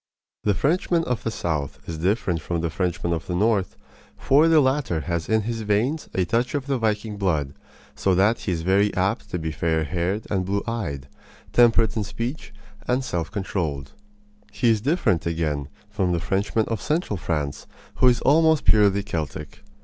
The Frenchman of the south is different from the Frenchman of the north, for the latter has in his veins a touch of the viking blood, so that he is very apt to be fair haired and blue eyed, temperate in speech, and self controlled. He is different, again, from the Frenchman of central France, who is almost purely Celtic.